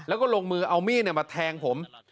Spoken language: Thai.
แล้วก็ลงมือเอามีนเนี่ยมาแทงผม